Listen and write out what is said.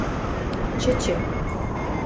Чӹчӹ!